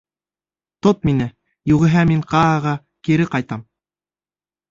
— Тот мине, юғиһә мин Кааға кире ҡайтам.